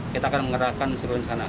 kita akan mengerahkan seluruh rencana